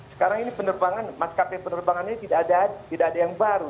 sekarang ini penerbangan maskapai penerbangan ini tidak ada yang baru